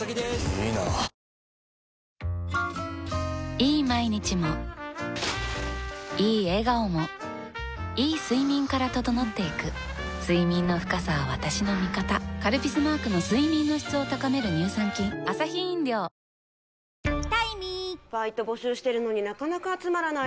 いい毎日もいい笑顔もいい睡眠から整っていく睡眠の深さは私の味方「カルピス」マークの睡眠の質を高める乳酸菌続いては気になる今日のお天気です、磯貝さん。